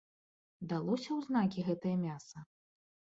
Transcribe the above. Далося ў знакі гэтае мяса!